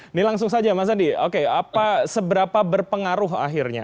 ini langsung saja mas andi oke apa seberapa berpengaruh akhirnya